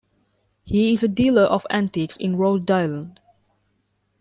He is a dealer of antiques in Rhode Island.